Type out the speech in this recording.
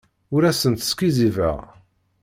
Ur asent-sqizzibeɣ.